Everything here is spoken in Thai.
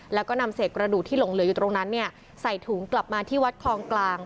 แล้วก็นำเศษกระดูกที่หลงเหลืออยู่ตรงนั้นใส่ถุงกลับมาที่วัดคลองกลาง